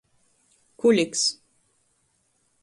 Kuliks.